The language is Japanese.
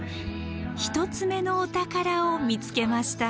１つ目のお宝を見つけました。